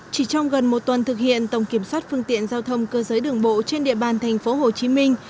chỉ trong gần một tuần thực hiện tổng kiểm soát phương tiện giao thông cơ giới đường bộ trên địa bàn thành phố hồ chí minh